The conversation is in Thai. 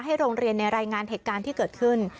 โรงเรียนในรายงานเหตุการณ์ที่เกิดขึ้น